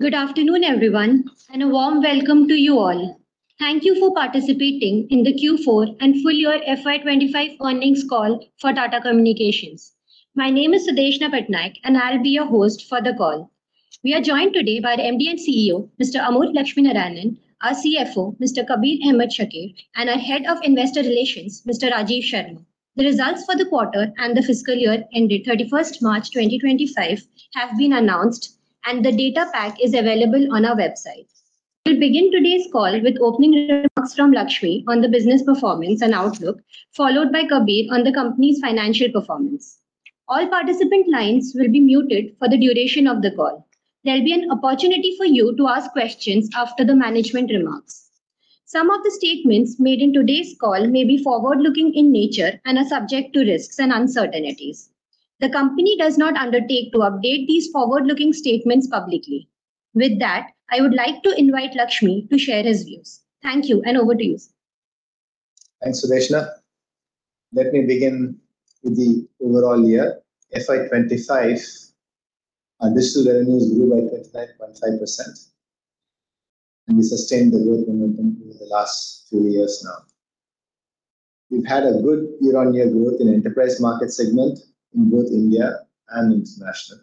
Good afternoon everyone and a warm welcome to you all. Thank you for participating in the Q4 and full year FY25 earnings call for Tata Communications. My name is Sudeshna Patnaik and I'll be your host for the call. We are joined today by MD and CEO Mr. A.S. Lakshminarayanan, our CFO Mr. Kabir Ahmed Shakir, and our Head of Investor Relations Mr. Rajiv Sharma. The results for the quarter and the fiscal year ended 31 March 2025 have been announced and the data pack is available on our website. We'll begin today's call with opening remarks from Lakshmi on the business performance and outlook followed by Kabir on the company's financial performance. All participant lines will be muted for the duration of the call. There'll be an opportunity for you to ask questions after the management remarks. Some of the statements made in today's call may be forward looking in nature and are subject to risks and uncertainties. The company does not undertake to update these forward looking statements publicly. With that, I would like to invite Lakshmi to share his views. Thank you. Over to you, sir. Thanks, Sudeshna. Let me begin with the overall year. FY25 digital revenues grew by 29.5% and we sustained the growth momentum over the last few years. Now we've had a good year on year. Growth in enterprise market segment in both India and international.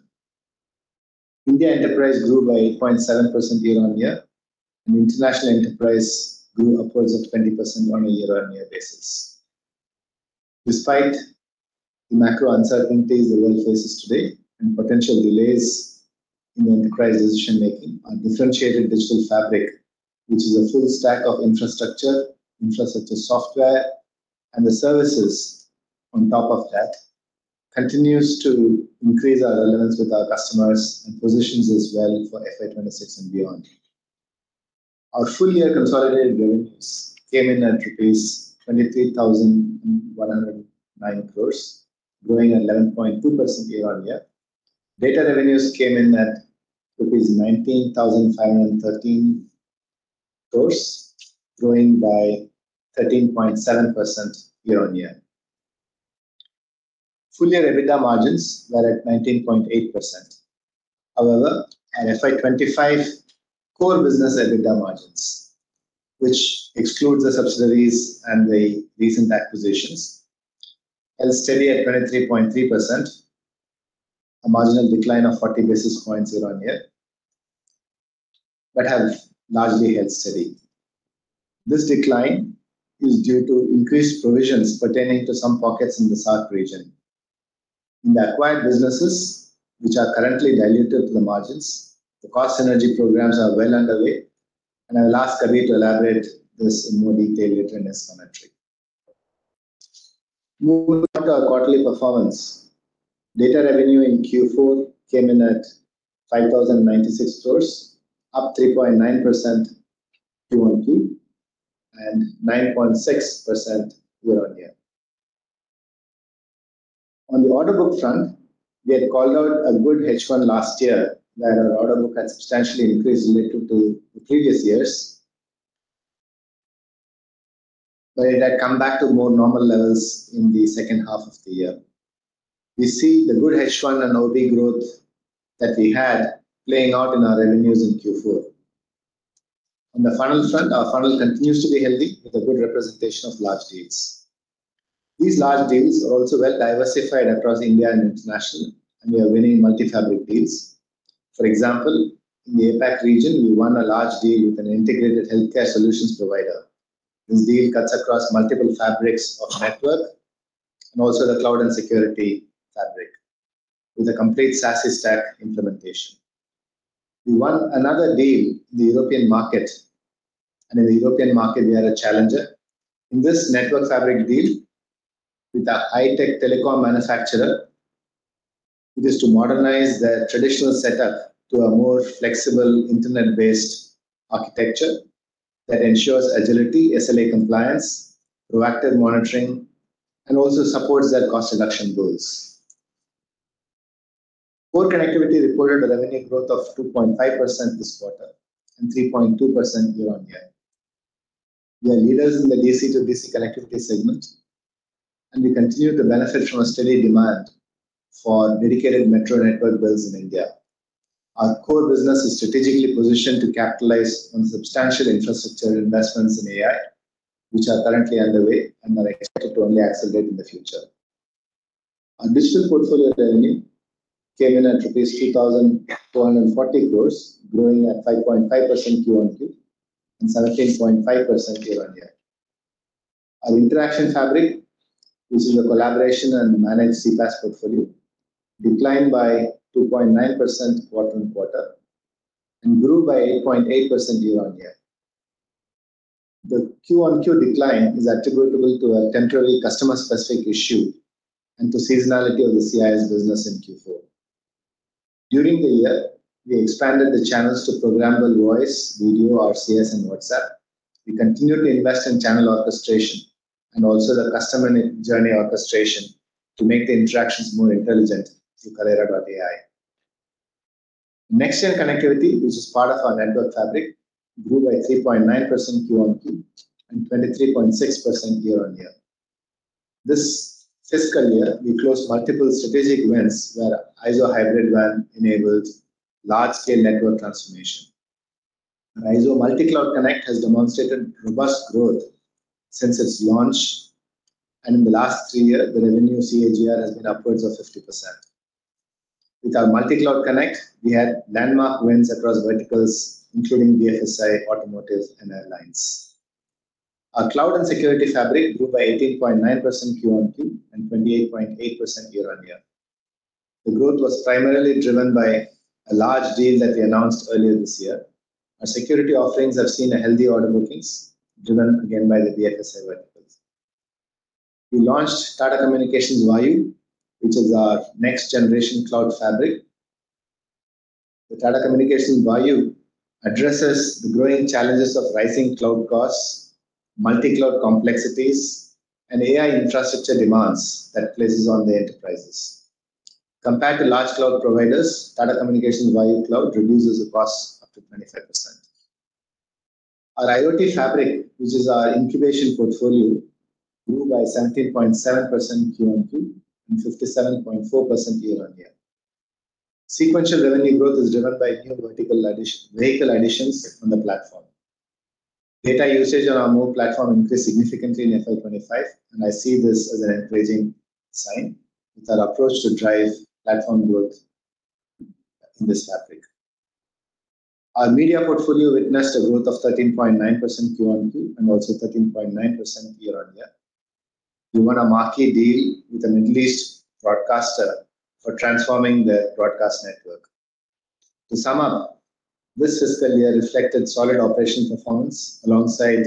India enterprise grew by 8.7% year on year and international enterprise grew upwards of 20% on a year on year basis. Despite the macro uncertainties the world faces today and potential delays in enterprise decision making, our differentiated digital fabric, which is a full stack of infrastructure, software and the services on top of that, continues to increase our relevance with our customers and positions us well for FY26 and beyond. Our full year consolidated revenues came in at 23,109 crore, growing 11.2% year on year. Data revenues came in at rupees 19,513 crore, growing by 13.7% year on year. Full year EBITDA margins were at 19.8%. However, at FY25, core business EBITDA margins, which excludes the subsidiaries and the recent acquisitions, held steady at 23.3%, a marginal decline of 40 basis points year on year, but have largely held steady. This decline is due to increased provisions pertaining to some pockets in the SAARC region in the acquired businesses which are currently diluted to the margins. The cost synergy programs are well underway and I will ask Kabir to elaborate this in more detail later in his commentary. Moving on to our quarterly performance data, revenue in Q4 came in at 5,096 crore, up 3.9% QoQ and 9.6% year on year. On the order book front we had called out a good H1 last year where our order book had substantially increased relative to previous years. It had come back to more normal levels in the second half of the year. We see the good H1 and Order growth that we had playing out in our revenues in Q4. On the funnel front, our funnel continues to be healthy with a good representation of large deals. These large deals are also well diversified across India and international and we are winning multi fabric deals. For example, in the APAC region we won a large deal with an integrated healthcare solutions provider. This deal cuts across multiple fabrics of network and also the cloud and security fabric with a complete SASE stack implementation. We won another deal in the European market and in the European market we are a challenger in this network fabric deal with the high tech telecom manufacturer. It is to modernize the traditional setup to a more flexible Internet-based architecture that ensures agility, SLA compliance, proactive monitoring, and also supports their cost reduction goals. Core Connectivity reported a revenue growth of 2.5% this quarter and 3.2% year on year. We are leaders in the DC-to-DC connectivity segment and we continue to benefit from a steady demand for dedicated Metro network builds in India. Our core business is strategically positioned to capitalize on substantial infrastructure investments in AI which are currently underway and are expected to only accelerate in the future. Our digital portfolio revenue came in at INR 2,240 crore, growing at 5.5% Q on Q and 17.5% year on year. Our interaction fabric using a collaboration and managed CPaaS portfolio declined by 2.9% quarter on quarter and grew by 8.8% year on year. The QoQ decline is attributable to a temporary customer specific issue and to seasonality of the CIS business. In Q4 during the year we expanded the channels to program the voice, video, RCS and WhatsApp. We continue to invest in channel orchestration and also the customer journey orchestration to make the interactions more intelligent through Kaleyra AI. NextGen connectivity which is part of our network fabric grew by 3.9% Q on Q and 23.6% year on year. This fiscal year we closed multiple strategic wins where IZO Hybrid WAN enabled large scale network transformation. IZO Multi Cloud Connect has demonstrated robust growth since its launch and in the last three years the revenue CAGR has been upwards of 50%. With our multi cloud connect we had landmark wins across verticals including BFSI, automotive and airlines. Our cloud and security fabric grew by 18.9% Q on Q and 28.8% year on year. The growth was primarily driven by a large deal that we announced earlier this year. Our security offerings have seen a healthy order bookings driven again by the BFSI verticals. We launched Tata Communications Vayu, which is our next generation cloud fabric. The Tata Communications Vayu addresses the growing challenges of rising cloud costs, multi cloud complexities, and AI infrastructure demands that places on the enterprises. Compared to large cloud providers, Tata Communications Vayu cloud reduces the cost up to 25%. Our IoT fabric, which is our incubation portfolio, grew by 17.7% QoQ and 57.4% year on year. Sequential revenue growth is driven by new vertical vehicle additions on the platform. Data usage on our MOVE Platform increased significantly in FY25 and I see this as an encouraging sign with our approach to drive platform growth in this fabric. Our media portfolio witnessed a growth of 13.9% Q on Q and also 13.9% year on year. We won a marquee deal with a Middle East broadcaster for transforming their broadcast network. To sum up, this fiscal year reflected solid operational performance alongside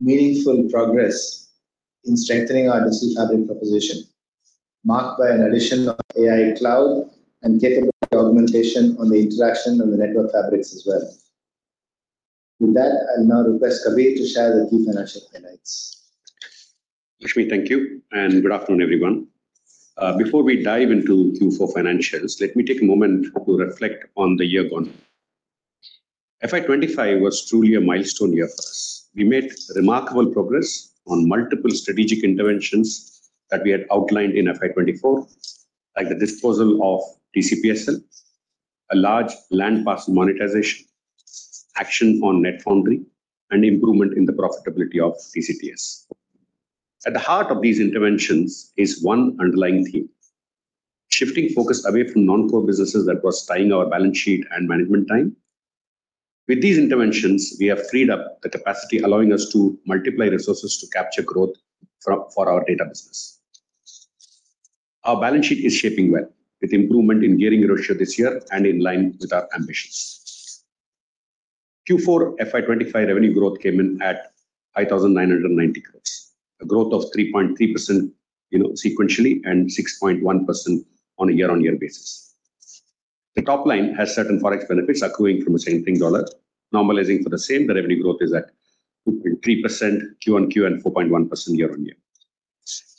meaningful progress in strengthening our digital fabric proposition marked by an addition of AI cloud, and capability augmentation on the interaction of the network fabrics as well. With that, I'll now request Kabir to share the key financial highlights. Thank you and good afternoon everyone. Before we dive into Q4 financials, let me take a moment to reflect on the year gone. FY25 was truly a milestone year for us. We made remarkable progress on multiple strategic interventions that we had outlined in FY24 like the disposal of TCPSL, a large land parcel monetization, action on NetFoundry, and improvement in the profitability of TCTS. At the heart of these interventions is one underlying theme: shifting focus away from non-core businesses that was tying our balance sheet and management time. With these interventions, we have freed up the capacity allowing us to multiply resources to capture growth for our data business. Our balance sheet is shaping well with improvement in gearing ratio this year and in line with our ambitions. Q4 FY2025 revenue growth came in at 5,990 crore, a growth of 3.3% sequentially and 6.1% on a year-on-year basis. The top line has certain forex benefits accruing from the strengthening dollar. Normalizing for the same, the revenue growth is at 2.3% Q-on-Q and 4.1% year-on-year.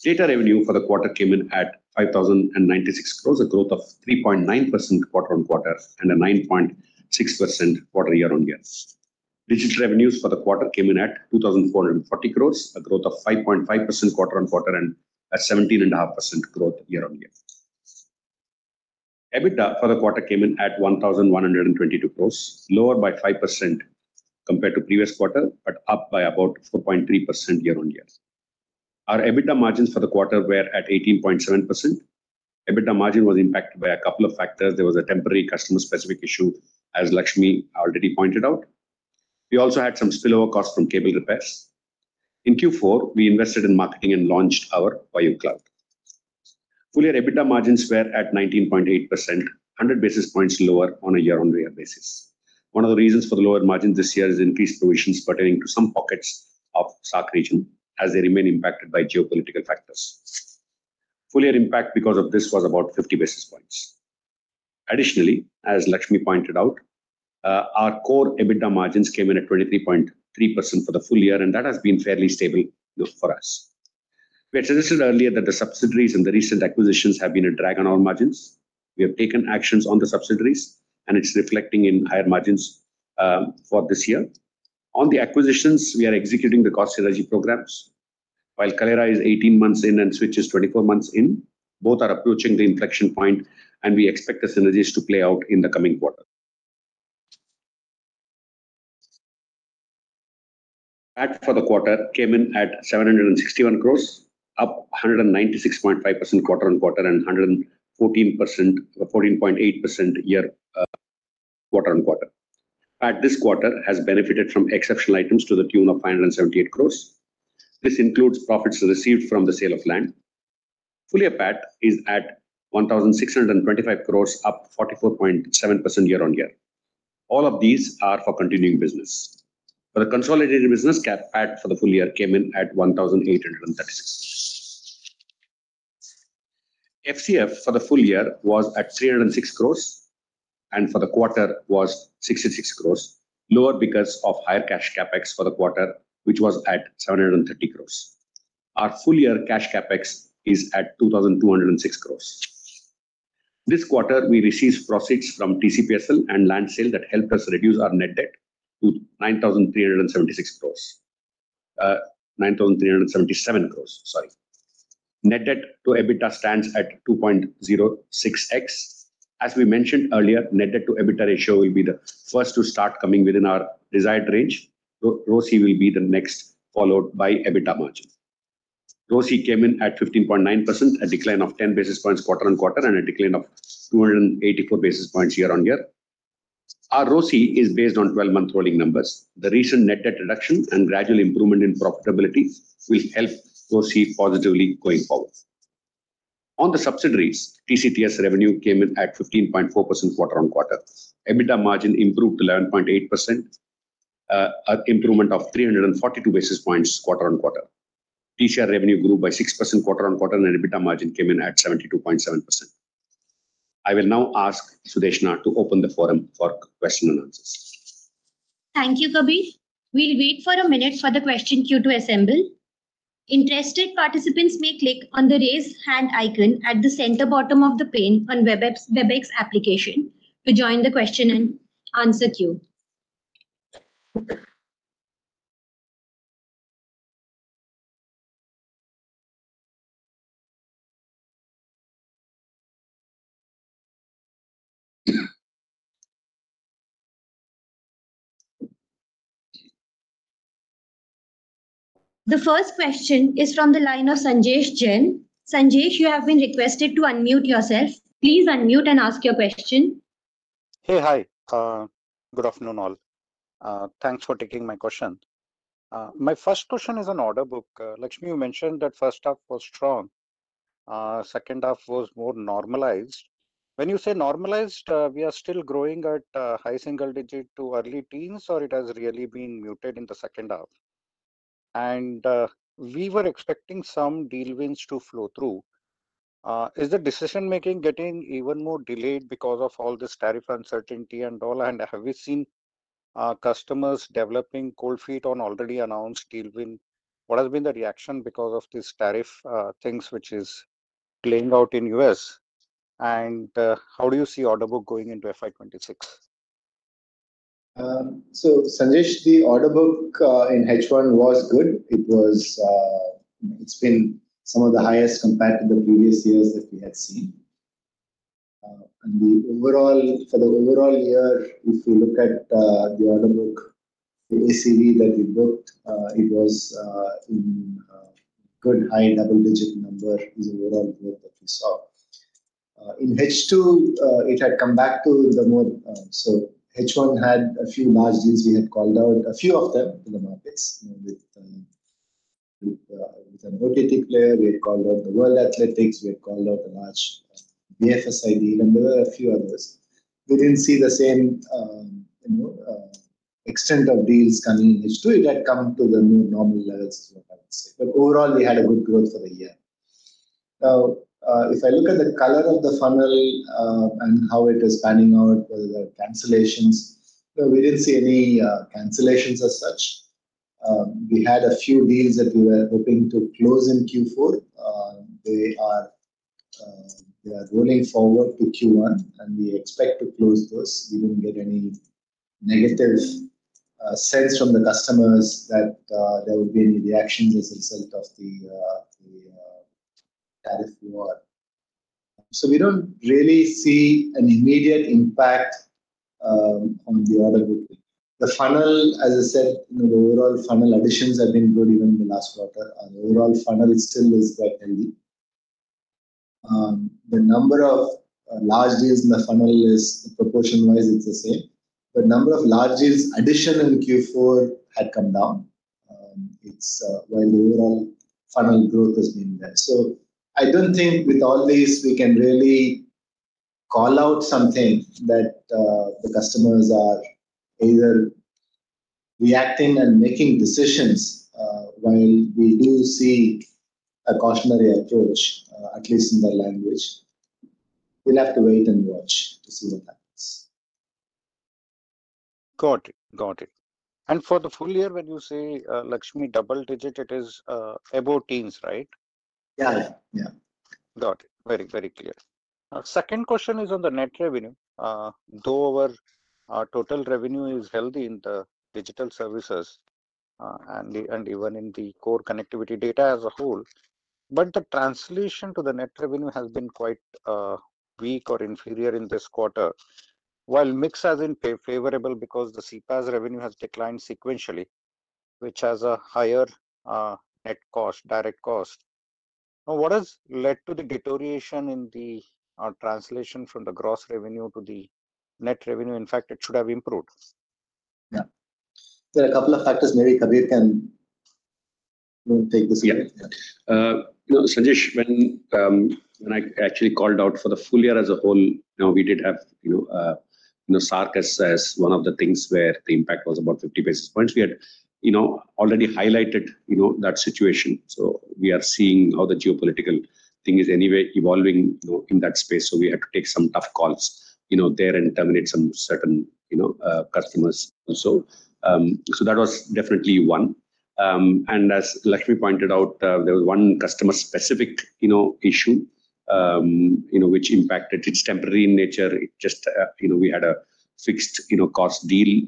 Data revenue for the quarter came in at 5,096 crore, a growth of 3.9% quarter-on-quarter and a 9.6% year-on-year. Digital revenues for the quarter came in at 2,440 crore, a growth of 5.5% quarter-on-quarter and a 17.5% growth year-on-year. EBITDA for the quarter came in at 1,122 crore, lower by 5% compared to previous quarter but up by about 4.3% year-on-year. Our EBITDA margins for the quarter were at 18.7%. EBITDA margin was impacted by a couple of factors. There was a temporary customer specific issue as Lakshmi already pointed out. We also had some spillover costs from cable repairs in Q4. We invested in marketing and launched our Vayu cloud. Full year EBITDA margins were at 19.8%, 100 basis points lower on a year on year basis. One of the reasons for the lower margin this year is increased provisions pertaining to some pockets of SAARC region as they remain impacted by geopolitical factors. Full year impact because of this was about 50 basis points. Additionally, as Lakshmi pointed out, our core EBITDA margins came in at 23.3% for the full year and that has been fairly stable for us. We suggested earlier that the subsidiaries and the recent acquisitions have been a drag on all margins. We have taken actions on the subsidiaries and it's reflecting in higher margins for this year. On the acquisitions, we are executing the cost synergy programs while Kaleyra is 18 months in and Switch is 24 months in. Both are approaching the inflection point and we expect the synergies to play out in the coming quarter. PAT for the quarter came in at 761 crore, up 196.5% quarter on quarter and 114% 14.8% quarter on quarter. PAT this quarter has benefited from exceptional items to the tune of 578 crore. This includes profits received from the sale of land. Full year PAT is at 16.25 crore, up 44.7% year on year. All of these are for continuing business. For the consolidated business PAT for the full year came in at 1,836. FCF for the full year was at 306 crore and for the quarter was 66 crore lower because of higher cash capex for the quarter which was at 730 crore. Our full year cash capex is at 2,206 crore. This quarter we received proceeds from TCPSL and land sale that helped us reduce our net debt to 9,376 crore. 9,377 crore. Sorry. Net debt to EBITDA stands at 2.06x. As we mentioned earlier, net debt to EBITDA ratio will be the first to start coming within our desired range. ROCE will be the next followed by EBITDA margin. ROCE came in at 15.9%, a decline of 10 basis points quarter on quarter and a decline of 284 basis points year on year. Our ROCE is based on 12 month rolling numbers. The recent net debt reduction and gradual improvement in profitability will help proceed positively going forward. On the subsidiaries, TCTS revenue came in at 15.4% quarter on quarter. EBITDA margin improved 11.8%, an improvement of 342 basis points quarter on quarter. The Switch revenue grew by 6% quarter on quarter and EBITDA margin came in at 72.7%. I will now ask Sudeshna to open the forum for question and answers. Thank you, Kabir. We'll wait for a minute for the question queue to assemble. Interested participants may click on the raise hand icon at the center bottom of the pane on the WebEx application to join the question and answer queue. The first question is from the line of Sanjay Jain. Sanjay, you have been requested to unmute yourself. Please unmute and ask your question. Hey hi. Good afternoon all. Thanks for taking my question. My first question is an order book. Lakshmi, you mentioned that first half was strong, scond half was more normalized. When you say normalized, we are still growing at high single digit to early teens, or it has really been muted in the second half. nd we were expecting some deal wins to flow through. Is the decision making getting even more delayed because of all this tariff uncertainty and all? Have we seen customers developing cold feet on already announced deal win? What has been the reaction because of this tariff things which is playing out in the U.S.? And how do you see order book going into FY26? Sanjay, the order book in H1 was good. It was. It's been some of the highest compared to the previous years that we had seen for the overall year. If you look at the order book, the ACV that we booked, it was in good high double digit number is overall growth that we saw. In H2 it had come back to the more, so H1 had a few large deals. We had called out a few of them in the markets with an OTT player. We had called out the World Athletics, we had called out a large BFSI deal, and there were a few others. We didn't see the same extent of deals coming in H2. It had come to the new normal levels, but overall we had a good growth for the year. Now if I look at the color of the funnel and how it is panning out, whether there are cancellations, we didn't see any cancellations as such. We had a few deals that we were hoping to close in Q4. They are rolling forward to Q1 and we expect to close those. We didn't get any negative sense from the customers that there would be any reactions as a result of the tariff war. We don't really see an immediate impact on the order booking, the funnel. As I said, the overall funnel additions have been good even in the last quarter. Overall, the funnel still is quite healthy. The number of large deals in the funnel is, proportion wise, it's the same. The number of large deals addition in Q4 had come down while the overall funnel growth has been there. I do not think with all these we can really call out something that the customers are either reacting and making decisions. While we do see a cautionary approach, at least in the language, we will have to wait and watch to see what happens. Got it, got it. For the full year when you say Lakshmi double digit, it is above teens, right? Yeah, yeah. Got it. Very, very clear. Second question is on the net revenue though our total revenue is healthy in the digital services and even in the core connectivity data as a whole. The translation to the net revenue has been quite weak or inferior in this quarter while mix has been favorable because the CPaaS revenue has declined sequentially, which has a higher net cost, direct cost. Now what has led to the deterioration in the translation from the gross revenue to the net revenue? In fact, it should have improved. There are a couple of factors. Maybe Kabir can take this. Sanjay, when I actually called out for the full year as a whole, we did have SAARC as one of the things where the impact was about 50 basis points. We had already highlighted that situation, so we are seeing how the geopolitical thing is anyway evolving in that space. We had to take some tough calls, you know, there and terminate some certain, you know, customers also. That was definitely one. As Lakshmi pointed out, there was one customer-specific, you know, issue, you know, which impacted. It is temporary in nature. Just, you know, we had a fixed, you know, cost deal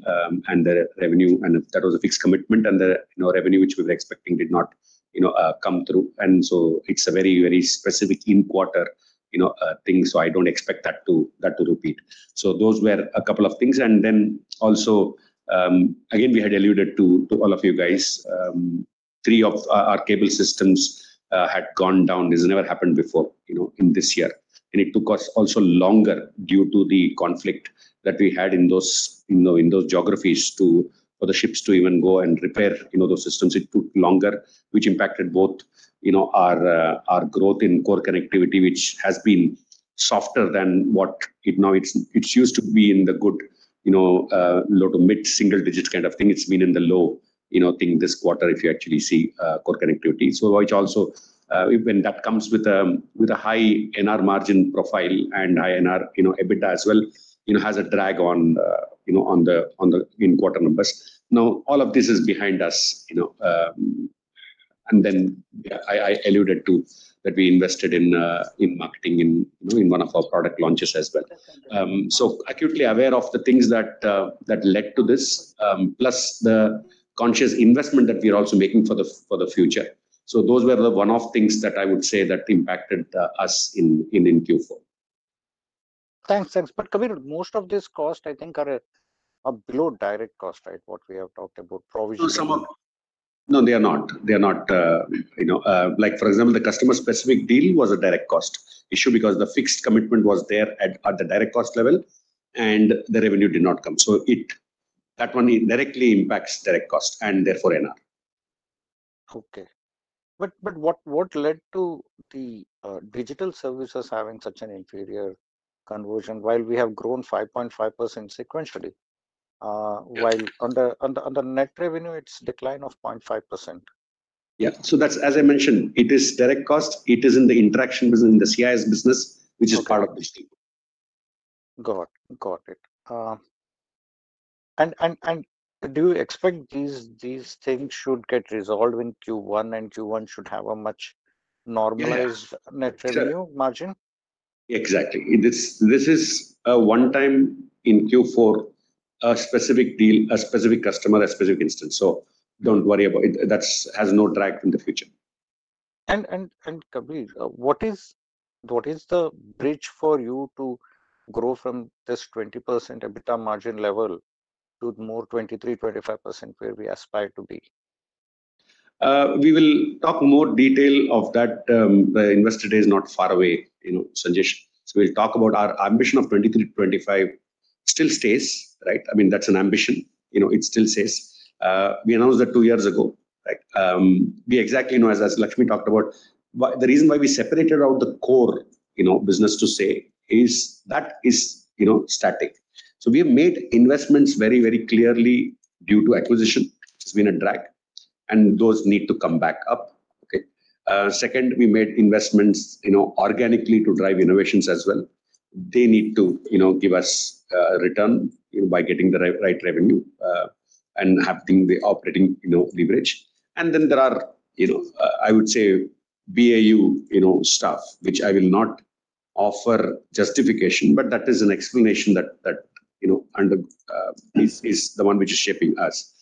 and the revenue, and that was a fixed commitment, and the revenue which we were expecting did not, you know, come through. It is very, very specific in quarter. I do not expect that to repeat. Those were a couple of things. Also, again, we had alluded to all of you guys, three of our cable systems had gone down. This never happened before in this year. It took us longer due to the conflict that we had in those geographies for the ships to even go and repair those systems. It took longer, which impacted both our growth in core connectivity, which has been softer than what it used to be in the good low to mid single digits kind of thing. It has been in the low thing this quarter if you actually see core connectivity, which also, when that comes with a high INR margin profile and INR EBITDA as well, has a drag on the in-quarter numbers. All of this is behind us. I alluded to that we invested in marketing in one of our product launches as well. Acutely aware of the things that led to this plus the conscious investment that we are also making for the future. Those were the one off things that I would say that impacted us in Q4. Thanks, thanks. Kabir, most of this cost I think are below direct cost. Right. What we have talked about provision. No, they are not. They are not. You know like for example the customer specific deal was a direct cost issue because the fixed commitment was there at the direct cost level and the revenue did not come. So that one indirectly impacts direct cost and therefore no. Okay, but what led to the digital services having such an inferior conversion? While we have grown 5.5% sequentially while under net revenue, it's decline of 0.5%. Yeah, so that's as I mentioned, it is direct cost. It is in the interaction business, in the CIS business which is part of this table. Got it. And do you expect these things should get resolved in Q1, and Q1 should have a much normalized net revenue margin. Exactly. This is a one time in Q4, a specific deal, a specific customer, a specific instance. Do not worry about it. That has no track in the future. Kabir, what is the bridge for you to grow from this 20% EBITDA margin level to more 23-25% where we aspire to be? We will talk more detail of that, the investor day is not far away. Sanjay, we'll talk about our ambition of 23, 25 still stays, right? I mean, that's an ambition. It still stays. We announced that two years ago. We exactly know, as Lakshmi talked about, the reason why we separated out the core business to say is that is static. We have made investments very, very clearly due to acquisition. It's been a drag and those need to come back up. Second, we've made investments organically to drive innovations as well. They need to give us return by getting the right revenue and having the operating leverage. There are, I would say, BAU stuff which I will not offer justification, but that is an explanation that, you know, is the one which is shaping us.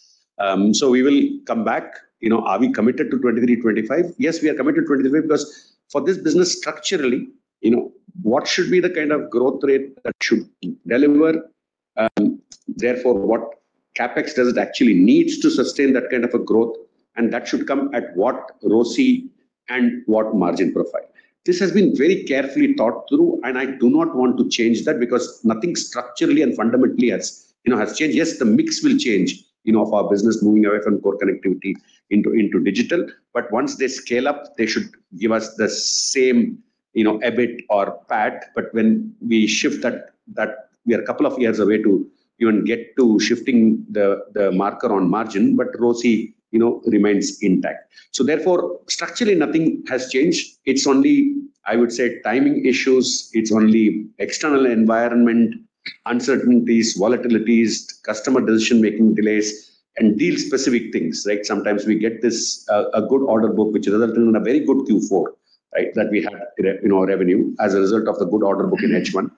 We will come back, you know, are we committed to 23, 25? Yes, we are committed to 23. Because for this business, structurally, you know, what should be the kind of growth rate that should deliver. Therefore, what CapEx does it actually needs to sustain that kind of a growth. And that should come at what ROCE and what margin profile. This has been very carefully thought through and I do not want to change that because nothing structurally and fundamentally has, you know, has changed. Yes, the mix will change, you know, for business moving away from core connectivity into digital. But once they scale up, they should give us the same, you know, EBIT or PAT. When we shift that, we are a couple of years away to even get to shifting the marker on margin. ROCE, you know, remains intact. Therefore, structurally nothing has changed. It's only, I would say, timing issues. It's only external environment uncertainties, volatilities, customer decision-making delays, and deal-specific things. Sometimes we get this good order book which resulted in a very good Q4 that we had, revenue as a result of the good order book in H1.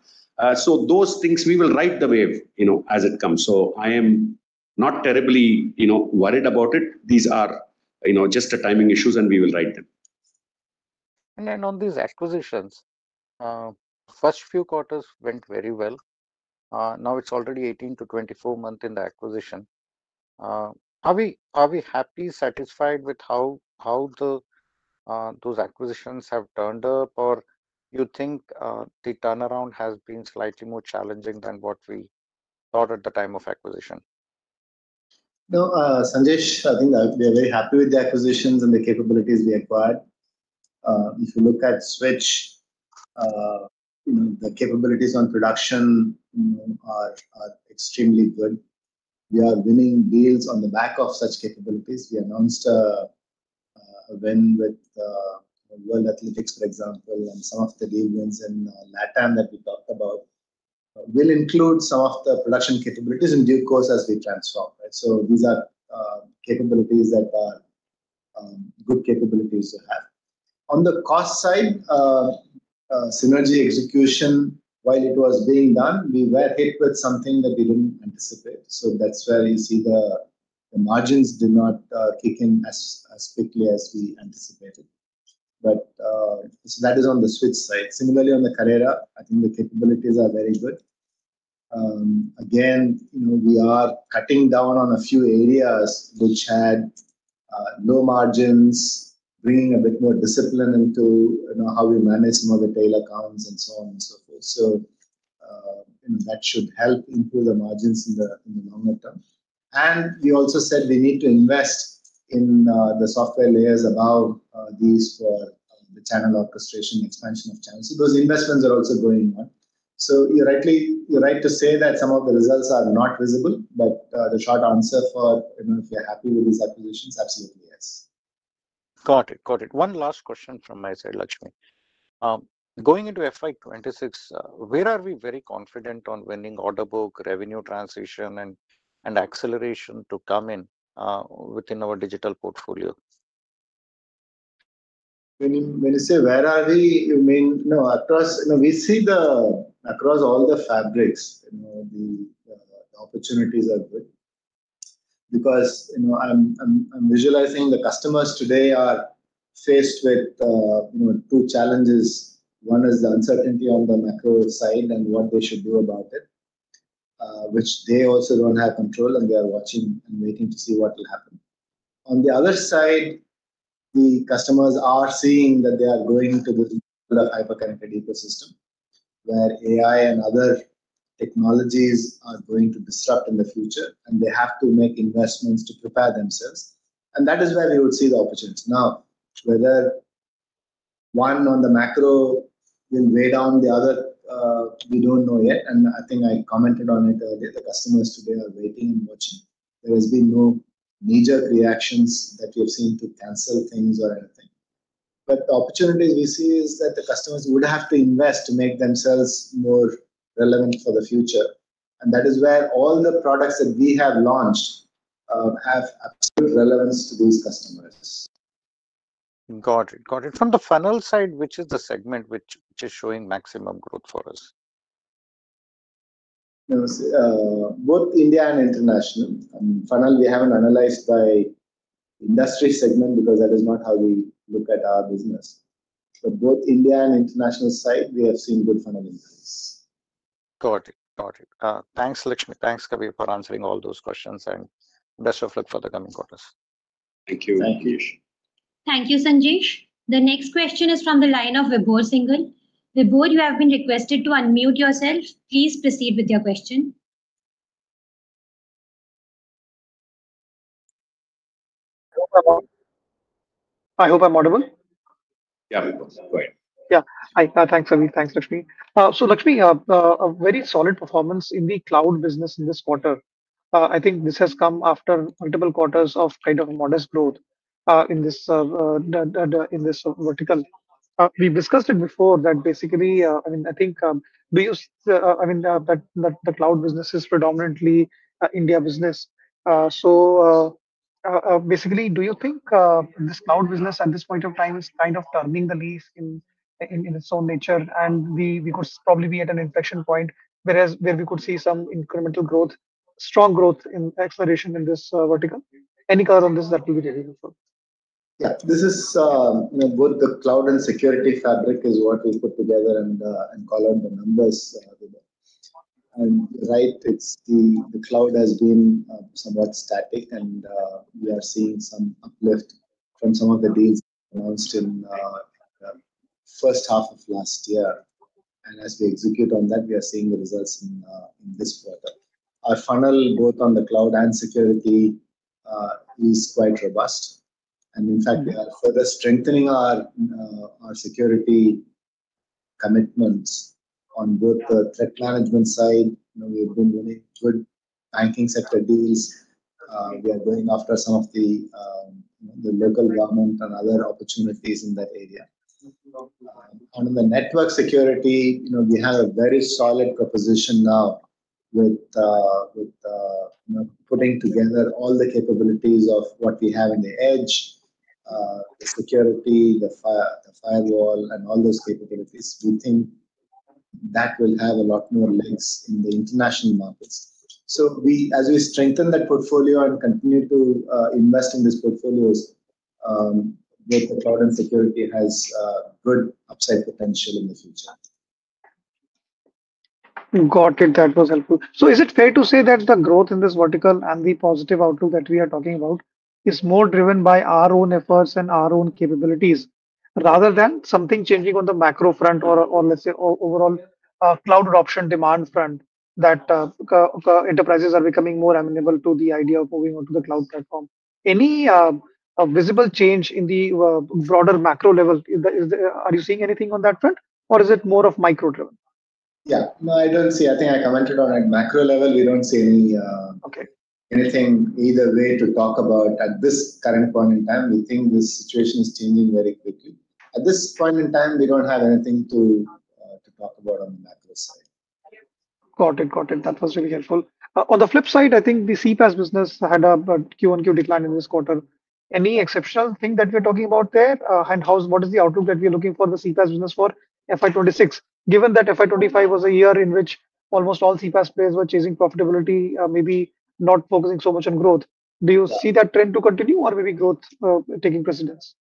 Those things we will ride the wave as it comes. I am not terribly worried about it. These are just the timing issues. We will write them. On these acquisitions, first few quarters went very well. Now it's already 18-24 month in the acquisition. Are we happy satisfied with how those acquisitions have turned up? Or you think the turnaround has been slightly more challenging than what we thought at the time of acquisition? No, Sanjay, I think we are very happy with the acquisitions and the capabilities we acquired. If you look at Switch, the capabilities on production are extremely good. We are winning deals on the back of such capabilities. We announced with World Athletics, for example, and some of the deviants in Latam that we talked about will include some of the production capabilities in due course as we transform. These are capabilities that are good capabilities to have. On the cost side, synergy, execution, while it was being done, we were hit with something that we did not anticipate. That is where you see the margins did not kick in as quickly as we anticipated, but that is on the Switch side. Similarly, on the Kaleyra, I think the capabilities are very good. Again, we are cutting down on a few areas which had low margins, bringing a bit more discipline into how we manage some of the tail accounts and so on and so forth. That should help improve the margins in the longer term. We also said we need to invest in the software layers above these for the channel orchestration, expansion of channels. Those investments are also going on. You are right to say that some of the results are not visible. The short answer for if you are happy with these acquisitions: absolutely, yes. Got it. Got it. One last question from my side, Lakshmi. Going into FY26, where are we very confident on winning order book revenue transition and acceleration to come in within our digital portfolio? When you say where are we, you mean we see the. Across all the fabrics. The opportunities are good because I'm visualizing the customers today are faced with two challenges. One is the uncertainty on the macro side and what they should do about it, which they also don't have control and they are watching and waiting to see what will happen. On the other side the customers are seeing that they are going to hyper connected ecosystem where AI and other technologies are going to disrupt in the future and they have to make investments to prepare themselves and that is where we would see the opportunities. Now whether one on the macro will weigh down the other, we don't know yet and I think I commented on it earlier. The customers today are weighing. There has been no knee jerk reactions that we have seen to cancel things or anything. The opportunities we see is that the customers would have to invest to make themselves more relevant for the future. That is where all the products that we have launched have absolute relevance to these customers. Got it, got it. From the funnel side, which is the segment which is showing maximum growth for us. Both India and international funnel, we have not analyzed by industry segment because that is not how we look at our business. Both India and international side we have seen good funnel increase. Got it. Got it. Thanks Lakshmi. Thanks Kabir for answering all those questions and best of luck for the coming quarters. Thank you. Thank you, Sanjay. The next question is from the line of Vibhore Singhal. You have been requested to unmute yourself. Please proceed with your question. I hope I'm audible. Yeah. Thanks, Lakshmi. Lakshmi, a very solid performance in the cloud business in this quarter. I think this has come after multiple quarters of kind of modest growth in this vertical. We discussed it before that basically, I mean, I think, do you see, I mean, that the cloud business is predominantly India business. Basically, do you think this cloud business at this point of time is kind of turning the leaf in its own nature and we could probably be at an inflection point where we could see some incremental growth, strong growth in acceleration in this vertical. Any color on this, that will be beautiful. Yeah, this is both the cloud and security fabric is what we put together and call out the numbers, right? The cloud has been somewhat static and we are seeing some uplift from some of the deals announced in the first half of last year. As we execute on that, we are seeing the results in this quarter. Our funnel both on the cloud and security is quite robust and in fact we are further strengthening our security commitments on both the threat management side. We have been doing good banking sector deals. We are going after some of the local government and other opportunities in that area. On the network security, we have a very solid proposition now with putting together all the capabilities of what we have in the edge, the security, the firewall, and all those capabilities. We think that will have a lot more legs in the international markets. As we strengthen that portfolio and continue to invest in these portfolios, both the cloud and security has good upside potential in the future chart. Got it. That was helpful. Is it fair to say that the growth in this vertical and the positive outlook that we are talking about is more driven by our own efforts and our own capabilities rather than something changing on the macro front or let's say overall cloud adoption demand front, that enterprises are becoming more amenable to the idea of moving on to the cloud platform? Any visible change in the broader macro level? Are you seeing anything on that front or is it more of micro driven? Yeah, no, I don't see. I think I commented on a macro level. We don't see anything either way to talk about at this current point in time. We think this situation is changing very quickly. At this point in time, we don't have anything to talk about on the macro side. Got it, got it. That was really helpful. On the flip side, I think the CPaaS business had a QoQ decline in this quarter. Any exceptional thing that we're talking about there and what is the outlook that we're looking for the CPaaS business for FY26 given that FY25 was a year in which almost all CPaaS players were chasing profitability, maybe not focusing so much on growth, do you see that trend to continue or maybe growth taking precedence?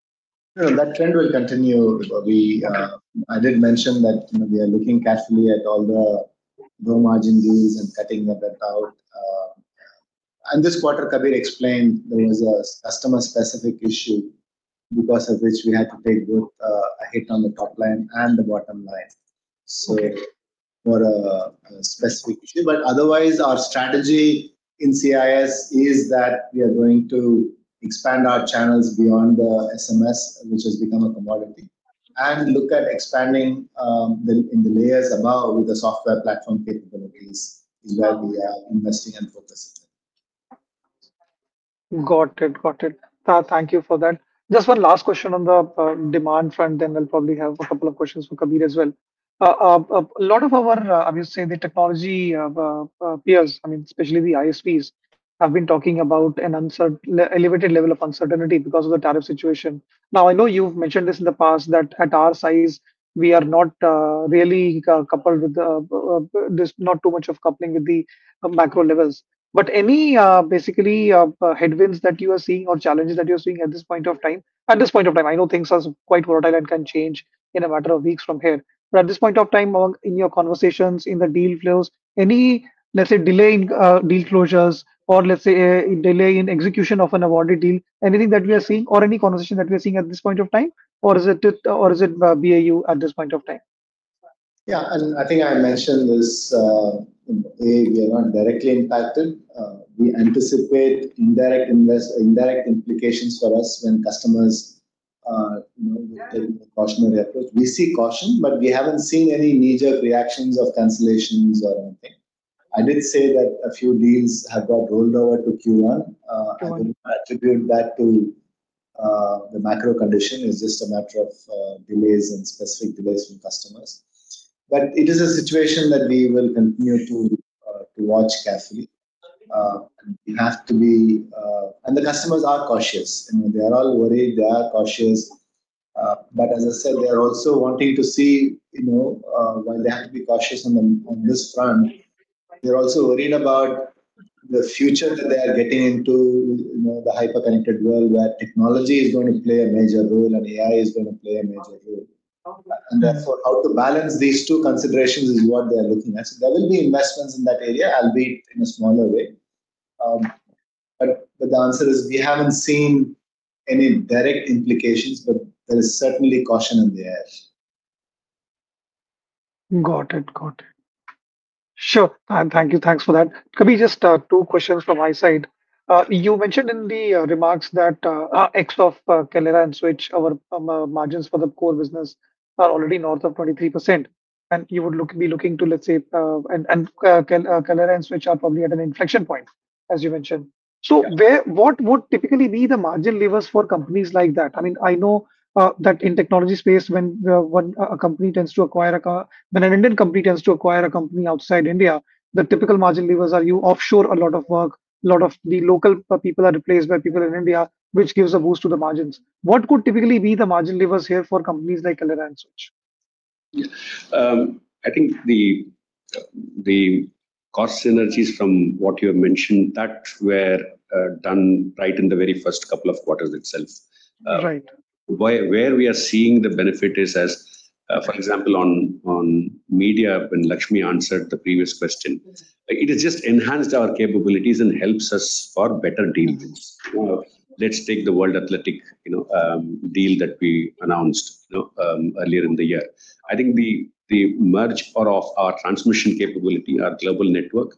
That trend will continue. I did mention that we are looking carefully at all the low margin deals and cutting the debt out, and this quarter Kabir explained there was a customer specific issue because of which we had to take both a hit on the top line and the bottom line. For a specific issue, but otherwise our strategy in CIS is that we are going to expand our channels beyond the SMS, which has become a commodity, and look at expanding in the layers above with the software platform capabilities is where we are investing and focusing. Got it, got it. Thank you for that. Just one last question on the demand front then we'll probably have a couple of questions for Kabir as well. A lot of our, I will say the technology peers, I mean especially the ISPs have been talking about an uncertain elevated level of uncertainty because of the tariff situation. Now I know you've mentioned this in the past that at our size we are not really coupled with, there's not too much of coupling with the macro levels, but any basically headwinds that you are seeing or challenges that you're seeing at this point of time. At this point of time I know things are quite volatile and can change in a matter of weeks from here. At this point of time in your conversations in the deal flows, any, let's say, delaying deal closures or, let's say, a delay in execution of an awarded deal—anything that we are seeing or any conversation that we are seeing at this point of time, or is it BAU at this point of time? Yeah, and I think I mentioned this. We are not directly impacted. We anticipate indirect implications for us when customers' cautionary approach. We see caution but we haven't seen any knee jerk reactions of cancellations or anything. I did say that a few deals have got rolled over to Q1. Attribute that to the macro condition, it is just a matter of delays and specific delays from customers, but it is a situation that we will continue to watch carefully. You have to be, and the customers are cautious. They are all worried. They are all cautious. But as I said, they are also wanting to see while they have to be cautious on this front, they are also worried about the future that they are getting into, the hyper connected world where technology is going to play a major role and AI is going to play a major role, and therefore how to balance these two considerations is what they are looking at. There will be investments in that area, albeit in a smaller way. The answer is we haven't seen any direct implications, but there is certainly caution in the air. Got it, got it. Sure. Thank you. Thanks for that. Kabir, just two questions from my side. You mentioned in the remarks that, ex of Kaleyra and Switch, our margins for the core business are already north of 23% and you would be looking to, let's say, and Kaleyra and Switch are probably at an inflection point as you mentioned. What would typically be the margin levers for companies like that? I mean, I know that in technology space, when a company tends to acquire a company, when an Indian company tends to acquire a company outside India, the typical margin levers are you offshore a lot of work, a lot of the local people are replaced by people in India, which gives a boost to the margins. What could typically be the margin levers here for companies like Kaleyra and such? I think the cost synergies from what you have mentioned that were done right in the very first couple of quarters itself. Right Where we are seeing the benefit is as for example on media, when Lakshmi answered the previous question, it has just enhanced our capabilities and helps us for better dealings. Let's take the World Athletics deal that we announced earlier in the year. I think the merge of our transmission capability, our global network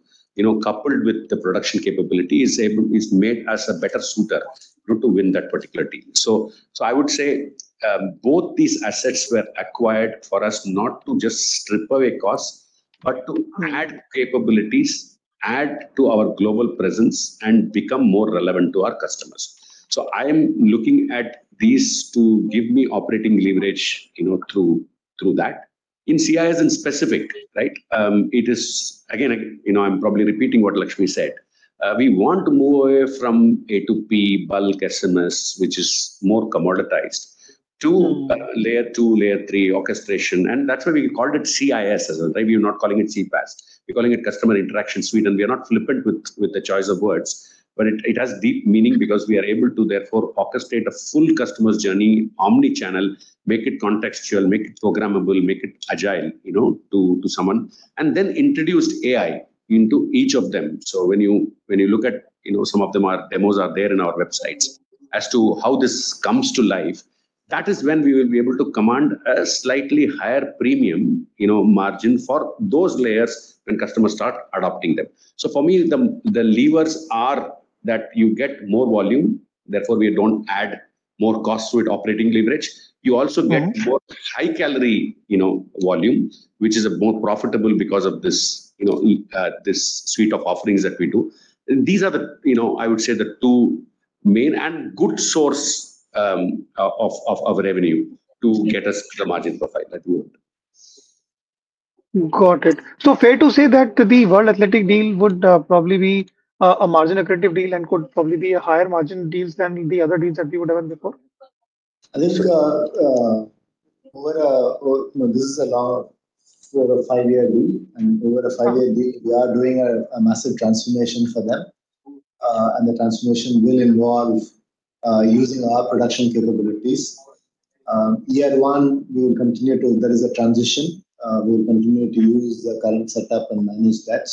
coupled with the production capability has made us a better suitor to win that particular team. I would say both these assets were acquired for us not to just strip away costs but to add capabilities, add to our global presence and become more relevant to our customers. I am looking at these to give me operating leverage through that. In CIS in specific, I am probably repeating what Lakshmi said. We want to move away from A2P bulk SMS, which is more commoditized, to layer two, layer three orchestration. That is why we called it CIS. We are not calling it CPaaS, we are calling it Customer Interaction Suite. We are not flippant with the choice of words, but it has deep meaning because we are able to therefore orchestrate a full customer's journey. Omnichannel, make it contextual, make it programmable, make it agile to someone, and then introduce AI into each of them. When you look at some of them, demos are there in our websites as to how this comes to life. That is when we will be able to command a slightly higher premium margin for those layers when customers start adopting them. For me the levers are that you get more volume, therefore we don't add more cost to it, operating leverage. You also get more high calorie volume which is more profitable. Because of this, you know, this suite of offerings that we do. These are the, you know, I would say the two main and good source of revenue to get us to the margin profile that we want. Got it. Fair to say that the World Athletics deal would probably be a margin accretive deal and could probably be a higher margin deal than the other deals that you would have done before? This is a long over a five year deal and over a five year deal we are doing a massive transformation for them and the transformation will involve using our production capabilities. Year one we will continue to, there is a transition, we will continue to use the current setup and manage that.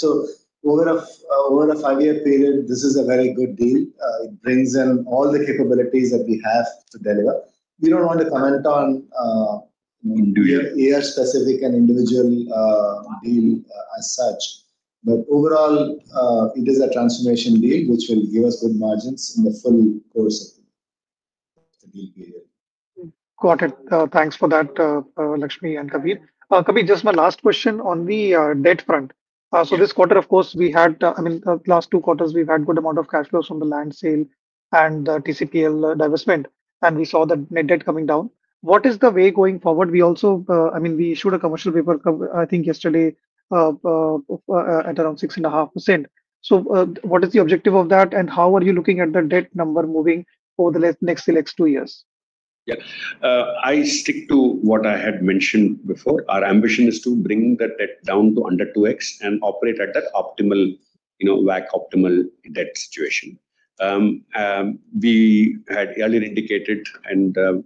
Over a five year period this is a very good deal. It brings in all the capabilities that we have to deliver. We don't want to comment on a specific and individual deal as such but overall it is a transformation deal which will give us good margins in the full course of the deal period. Got it. Thanks for that. Lakshmi and Kabir, just my last question on the debt front. This quarter of course we had, I mean last two quarters we've had good amount of cash flows from the land sale and TCPSL divestment and we saw the net debt coming down. What is the way going forward? We also, I mean we issued a commercial paper I think yesterday at around 6.5%. What is the objective of that and how are you looking at the debt number moving over the next two years? Yeah, I stick to what I had mentioned before. Our ambition is to bring the debt down to under 2x and operate at that optimal, like optimal debt situation. We had earlier indicated that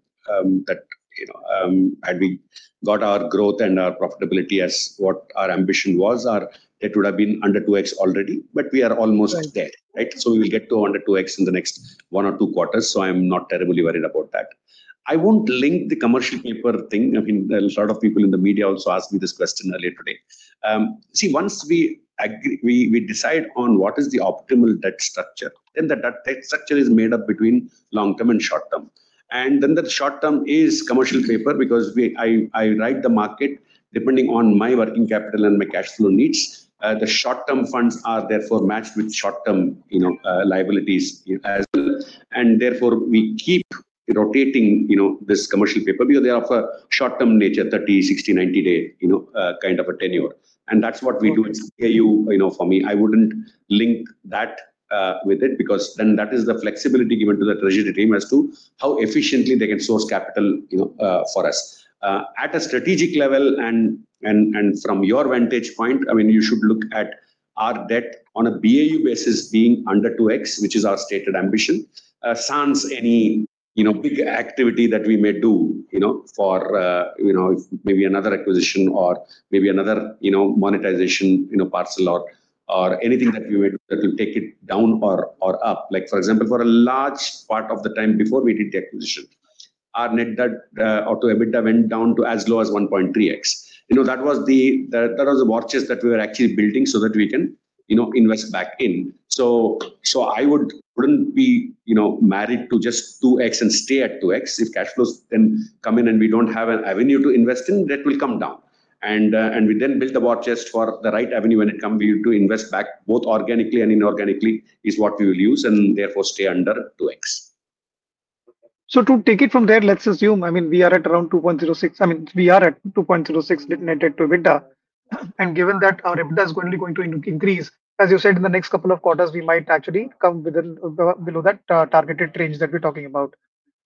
had we got our growth and our profitability as what our ambition was, it would have been under 2x already. We are almost there so we will get to under 2x in the next one or two quarters. I am not terribly worried about that. I will not link the commercial paper thing. A lot of people in the media also ask me this question earlier today. Once we decide on what is the optimal debt structure then the debt structure is made up between long term and short term and then the short term is commercial paper. Because I write the market depending on my working capital and my cash flow needs, the short term funds are therefore matched with short term liabilities as well. Therefore, we keep rotating this commercial paper. They are of a short, short term nature, 30, 60, 90 day kind of a tenure. That is what we do at CPaaS. For me, I would not link that with it because that is the flexibility given to the treasury team as to how efficiently they can source capital for us. At a strategic level and from your vantage point, you should look at our debt on a BAU basis being under 2x, which is our stated ambition, sans any big activity that we may do for maybe another acquisition or maybe another monetization parcel or anything that we may do that will take it down or up. For example, for a large part of the time before we did the acquisition, our net debt to EBITDA went down to as low as 1.3x. That was the war chest that we were actually building so that we can invest back in. I would not be married to just 2x and stay at 2x. If cash flows then come in and we do not have an avenue to invest in, debt will come down and we then build the war chest for the right avenue when it comes to invest back both organically and inorganically, which is what we will use and therefore stay under 2x. To take it from there, let's assume, I mean we are at around 2.06. I mean we are at 2.06 Net Debt to EBITDA. Given that our EBITDA is going to be going to increase, as you said, in the next couple of quarters, we might actually come within below that targeted range that we're talking about.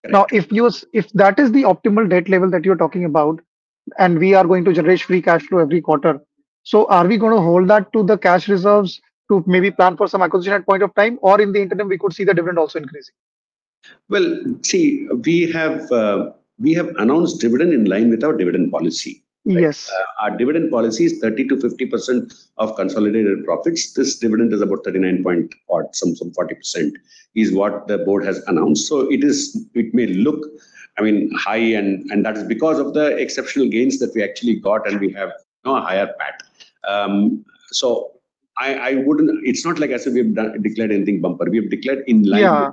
Now, if that is the optimal debt level that you're talking about, and we are going to generate free cash flow every quarter, are we going to hold that to the cash reserves to maybe plan for some acquisition at point of time or in the interim we could see the dividend also increasing? We have announced dividend in line with our dividend policy. Yes, our dividend policy is 30-50% of consolidated profits. This dividend is about 39 point, some 40% is what the board has announced. It may look, I mean, high and that is because of the exceptional gains that we actually got and we have a higher PAT. I would not, it is not like as if we have declared anything bumper. We have declared in line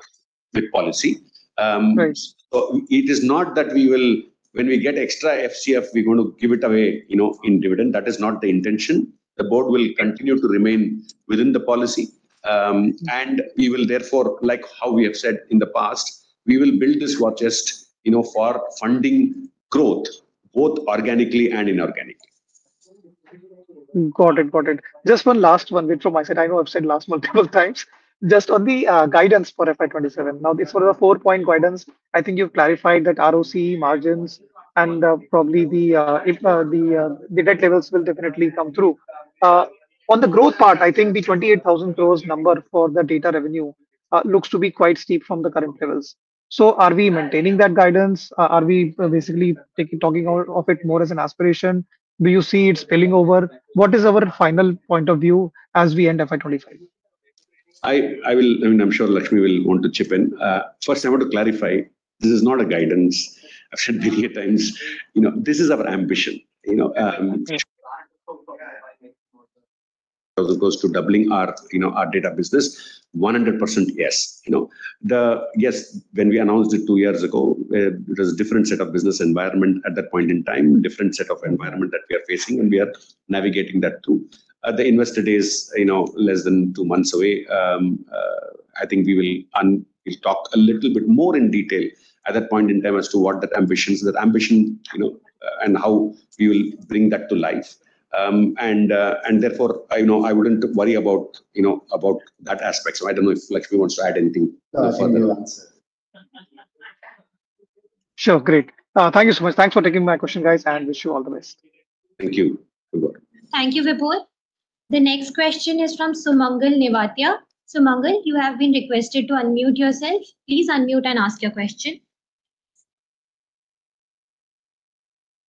with policy. It is not that we will, when we get extra FCF, we are going to give it away, you know, in dividend. That is not the intention. The board will continue to remain within the policy and we will therefore, like how we have said in the past, we will build this war chest, you know, for funding growth both organically and inorganically. Got it, got it. Just one last one bit from my side. I know I've said last multiple times just on the guidance for FY2027. Now it's for the four point guidance. I think you've clarified that ROCE margins and probably the debt levels will definitely come through. On the groXwth part, I think the 28,000 crore number for the data revenue looks to be quite steep from the current levels. Do we maintain that guidance? Are we basically talking of it more as an aspiration? Do you see it spilling over? What is our final point of view as we end FY2025? I'm sure Lakshmi will want to chip in. First, I want to clarify, this is not a guidance. I've said many times, this is our ambition. Goes to doubling our data business 100%. Yes. When we announced it two years ago it was different set of business environment at that point in time. Different, different set of environment that we are facing and we are navigating that through the investor day is, you know, less than two months away. I think we will talk a little bit more in detail at that point in time as to what that ambitions, that ambition, you know, and how we will bring that to life. I know I wouldn't worry about, you know, about that aspect. I don't know if Lakshmi wants to add anything. Sure. Great. Thank you so much. Thanks for taking my question guys and wish you all the best. Thank you. Thank you. Vibhore, the next question is from Sumangal Nivatia. Sumangal, you have been requested to unmute yourself. Please unmute and ask your question.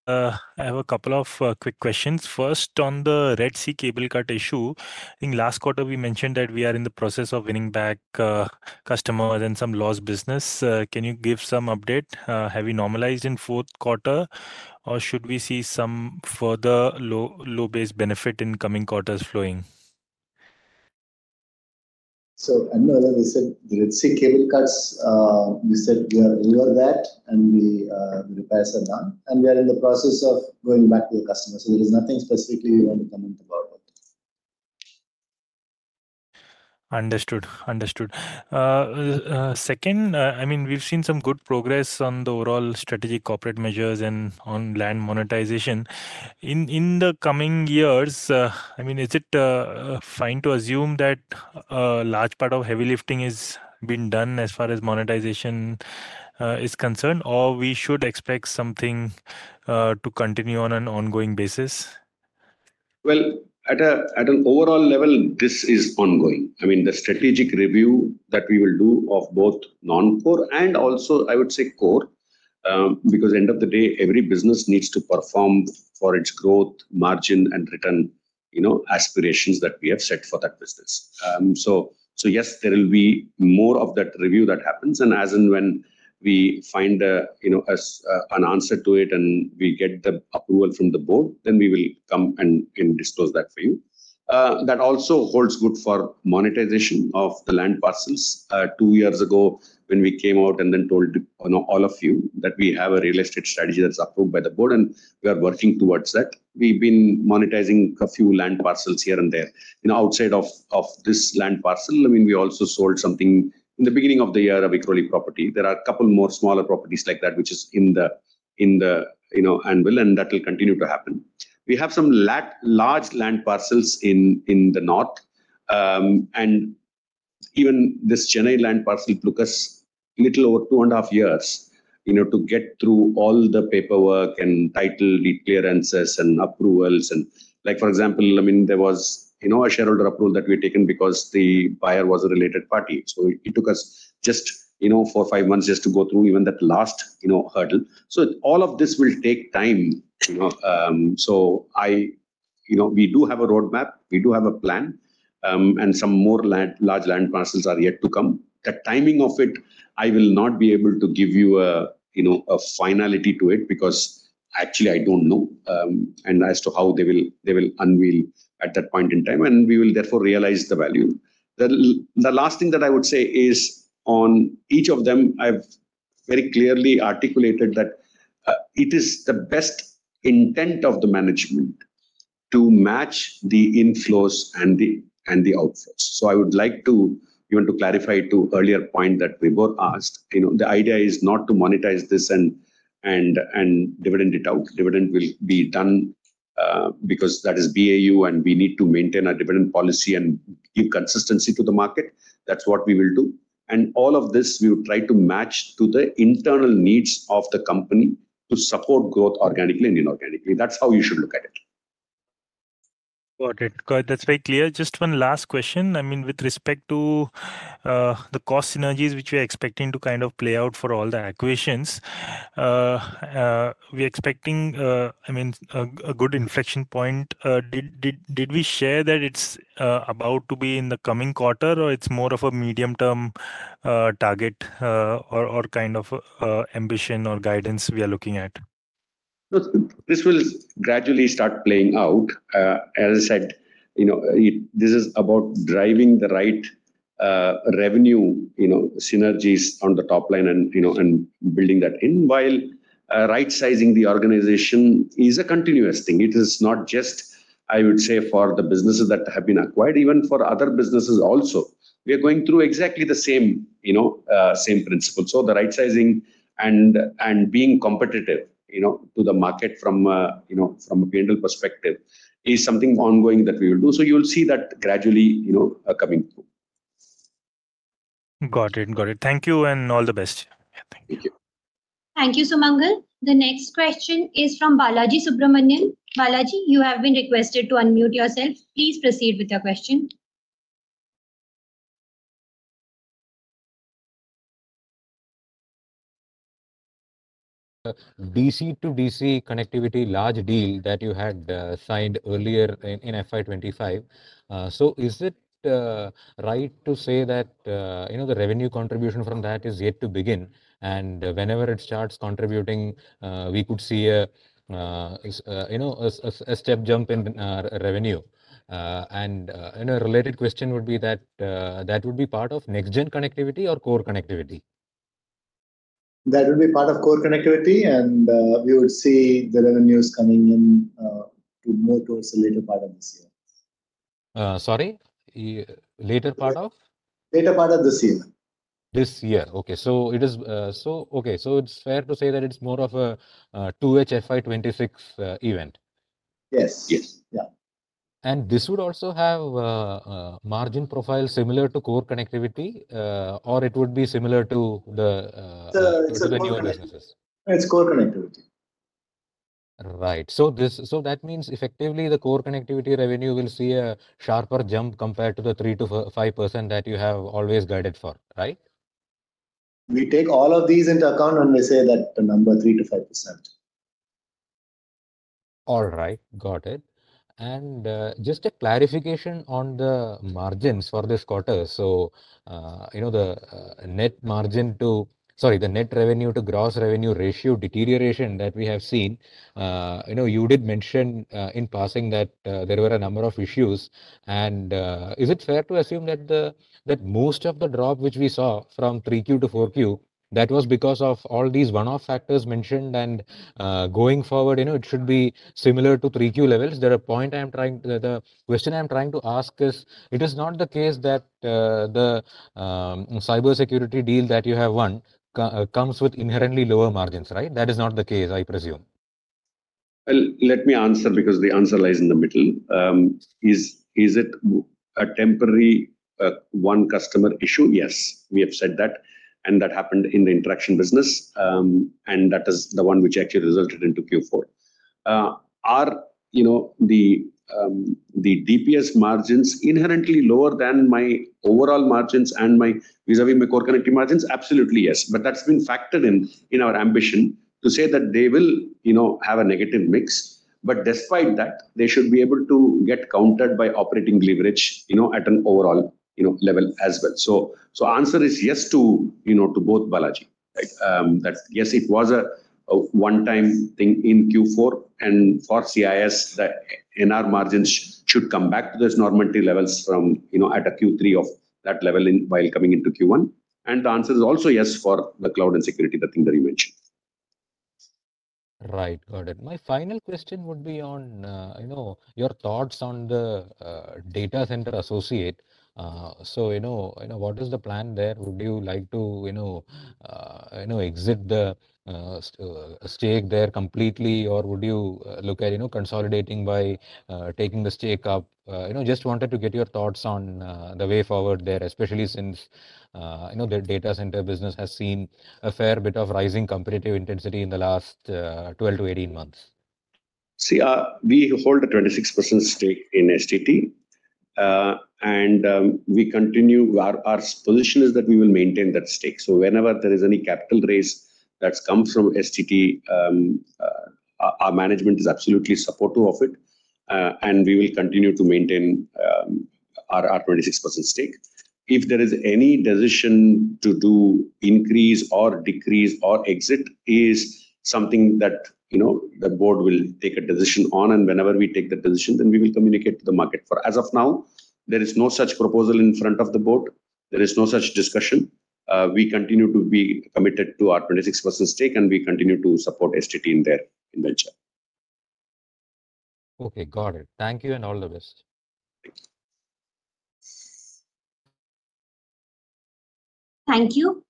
I have a couple of quick questions. First on the Red Sea cable cut issue. In last quarter we mentioned that we are in the process of winning back customers and some lost business. Can you give some update? Have we normalized in fourth quarter or should we see some further low, low base benefit in coming quarters flowing? We said let's see cable cuts, we said we are near that and the repairs are done and we are in the process of going back to the customer. There is nothing specifically we want to comment about. Understood, understood. Second, I mean we've seen some good progress on the overall strategic corporate measures and on land monetization in the coming years. I mean is it fine to assume that a large part of heavy lifting is being done as far as monetization is concerned or we should expect something to continue on an ongoing basis? At an overall level this is ongoing. I mean the strategic review that we will do of both non core and also I would say core because end of the day every business needs to perform for its growth margin and return aspirations that we have set for that business. Yes, there will be more of that review that happens. As and when we find an answer to it and we get the approval from the board, we will come and disclose that for you. That also holds good for monetization of the land parcels. Two years ago when we came out and then told all of you that we have a real estate strategy that's approved by the board and we are working towards that, we've been monetizing a few land parcels here and there. Outside of this land parcel, we also sold something in the beginning of the year, a Vikhroli property. There are a couple more smaller properties like that which is in the anvil and that will continue to happen. We have some large land parcels in the north and even this Chennai land parcel took us little over two and a half years to get through all the paperwork and title deed clearances and approvals. For example, there was a shareholder approval that we had taken because the buyer was a related party. It took us just four or five months just to go through even that last hurdle. All of this will take time. We do have a roadmap, we do have a plan. Some more large land parcels are yet to come. The timing of it, I will not be able to give you a finality to it because actually I don't know. As to how they will unveil at that point in time and we will therefore realize the value. The last thing that I would say is on each of them I've very clearly articulated that it is the best intent of the management to match the inflows and the outflows. I would like to even clarify to the earlier point that we were asked, you know, the idea is not to monetize this and dividend it out. Dividend will be done because that is BAU and we need to maintain a dividend policy and give consistency to the market. That's what we will do. All of this we would try to match to the internal needs of the company to support growth organically and inorganically. That's how you should look at it. Got it. That's very clear. Just one last question. I mean with respect to the cost synergies which we're expecting to kind of play out for all the acquisitions we expecting. I mean a good inflection point. Did we share that it's about to be in the coming quarter or it's more of a medium term target or kind of ambition or guidance we are? Looking at this will gradually start playing out. As I said, this is about driving the right revenue synergies on the top line and building that in while right sizing the organization is a continuous thing. It is not just, I would say, for the businesses that have been acquired, even for other businesses also we are going through exactly the same, you know, same principle. The right sizing and being competitive, you know, to the market from, you know, from a P&L perspective is something ongoing that we will do. You will see that gradually, you know, coming through. Got it, got it. Thank you. All the best. Thank you. Thank you. Sumangal. The next question is from Balaji Subramanian. Balaji, you have been requested to unmute yourself. Please proceed with your question. DC-to-DC connectivity, large deal that you had signed earlier in FY25. Is it right to say that, you know, the revenue contribution from that is yet to begin and whenever it starts contributing we could see a step jump in revenue? A related question would be that that would be part of next gen connectivity or core connectivity. That would be part of core connectivity and we would see the revenues coming in more towards the later part of this year. Sorry, later part of? Later part of this year. This year. Okay, so it is. Okay, so it's fair to say that it's more of a 2H FY26 event? Yes, yes. Yeah. Would this also have margin profile similar to core connectivity, or would it be similar to the newer businesses? It's core connectivity. Right. This means effectively the core connectivity revenue will see a sharper jump compared to the 3-5% that you have always guided for, right? We take all of these into account and we say that the number 3-5%. All right, got it. Just a clarification on the margins for this quarter. You know, the net margin to—sorry, the net revenue to gross revenue ratio deterioration that we have seen. You know, you did mention in passing that there were a number of issues. Is it fair to assume that most of the drop which we saw from Q3 to Q4 was because of all these one-off factors mentioned, and going forward, it should be similar to Q3 levels? The point I am trying—the question I am trying to ask is, it is not the case that the cybersecurity deal that you have won comes with inherently lower margins, right? That is not the case, I presume. Let me answer because the answer lies in the middle. Is it a temporary one, customer issue? Yes, we have said that and that happened in the interaction business and that is the one which actually resulted into Q4. Are the DPS margins inherently lower than my overall margins and my vis a vis core connective margins? Absolutely yes. That has been factored in in our ambition to say that they will have a negative mix. Despite that, they should be able to get countered by operating leverage at an overall level as well. The answer is yes to both. Balaji, yes, it was a one time thing in Q4 and for CIS the NR margins should come back to this normal levels from at a Q3 of that level while coming into Q1. The answer is also yes for the cloud and security, the thing that you mentioned. Right, got it. My final question would be on, you know, your thoughts on the data center associate. So you know, what is the plan there? Would you like to, you know, exit the stake there completely or would you look at, you know, consolidating by taking the stake up? You know, just wanted to get your thoughts on the way forward there. Especially since the data center business has seen a fair bit of rising competitive intensity in the last 12 to 18 months. See, we hold a 26% stake in ST Telemedia Global Data Centres and we continue our position is that we will maintain that stake. Whenever there is any capital raise that has come from ST Telemedia Global Data Centres, our management is absolutely supportive of it and we will continue to maintain our 26% stake. If there is any decision to do increase or decrease or exit is something that, you know, the board will take a decision on. Whenever we take the position then we will communicate to the market. As of now, there is no such proposal in front of the board. There is no such discussion. We continue to be committed to our 26% stake and we continue to support ST Telemedia Global Data Centres in their venture. Okay, got it. Thank you and all the best. Thank you.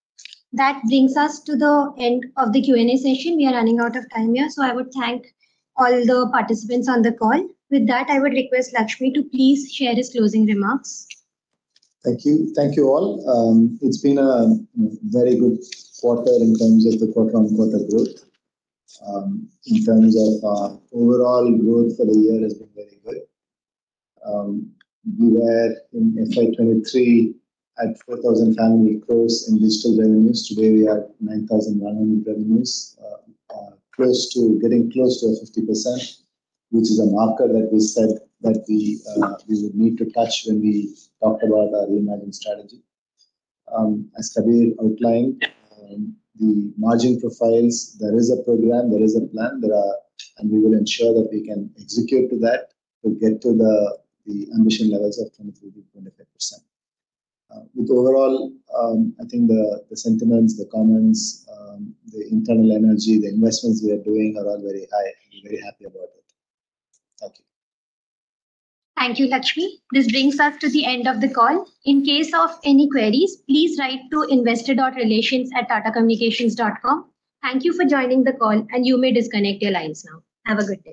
That brings us to the end of the Q A session. We are running out of time here, so I would thank all the participants on the call. With that, I would request Lakshmi to please share his closing remarks. Thank you. Thank you all. It's been a very good quarter and in terms of the quarter-on-quarter growth, in terms of overall growth for the year, has been very good. We were in FY2023 at 4,500 crore in digital revenues. Today we are at 9,100 crore revenues, close to getting close to 50%, which is a marker that we said that we would need to touch when we talked about our EMI management strategy as Kabir outlined the margin profiles. There is a program, there is a plan, there are, and we will ensure that we can execute to that to get to the ambition levels of 23%-25%. Overall, I think the sentiments, the comments, the internal energy, the investments we are doing are all very high. Very happy about it. Okay, thank you, Lakshmi. This brings us to the end of the call. In case of any queries, please write to investorrelations@tatacommunications.com. Thank you for joining the call and you may disconnect your lines now. Have a good day.